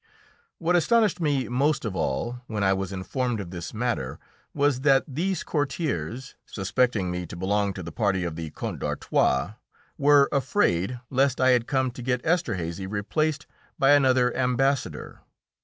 What astonished me most of all, when I was informed of this matter, was that these courtiers, suspecting me to belong to the party of the Count d'Artois, were afraid lest I had come to get Esterhazy replaced by another Ambassador.